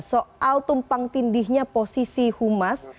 soal tumpang tindihnya posisi humas